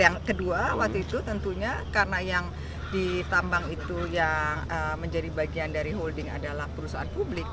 yang kedua waktu itu tentunya karena yang ditambang itu yang menjadi bagian dari holding adalah perusahaan publik